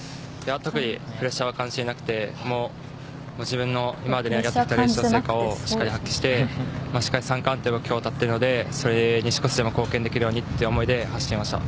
特にプレッシャーは感じていなくて自分の今までやってきた練習の成果を発揮して三冠という目標があるのでそれに少しでも貢献できるようにという思いで走っていました。